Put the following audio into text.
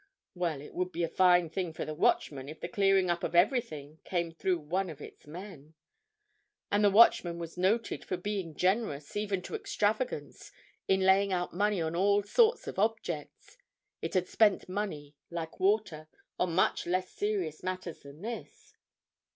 Well, it would be a fine thing for the Watchman if the clearing up of everything came through one of its men. And the Watchman was noted for being generous even to extravagance in laying out money on all sorts of objects: it had spent money like water on much less serious matters than this.